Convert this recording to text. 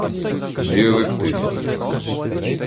Діалектизми